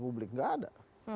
publik enggak ada